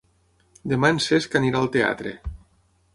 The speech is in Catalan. Demà en Cesc anirà al teatre.